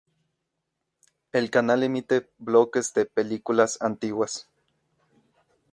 El canal emite bloques de películas antiguas.